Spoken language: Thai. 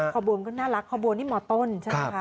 ขบวนก็น่ารักขบวนนี่มต้นใช่ไหมคะ